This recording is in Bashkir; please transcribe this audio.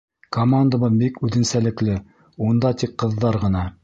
Командабыҙ бик үҙенсәлекле — унда тик ҡыҙҙар ғына.